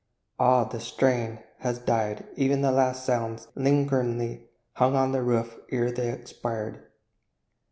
Ah, the strain Has died ev'n the last sounds that lingeringly Hung on the roof ere they expired!